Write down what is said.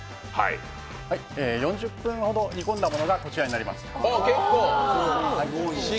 ４０分ほど煮込んだものが、こちらになります。